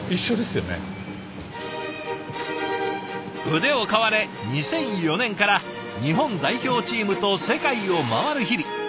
腕を買われ２００４年から日本代表チームと世界を回る日々。